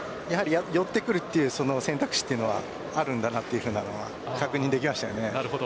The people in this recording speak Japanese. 寄ってくるという選択肢というのはあるんだなと確認できましたよね。